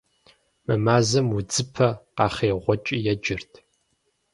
Мы мазэм удзыпэ къэхъеигъуэкӀи еджэрт.